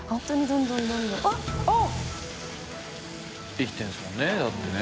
生きてんですもんねだってね。